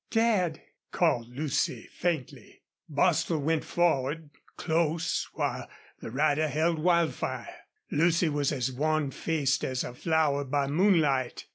"Dad!" called Lucy, faintly. Bostil went forward, close, while the rider held Wildfire. Lucy was as wan faced as a flower by moonlight.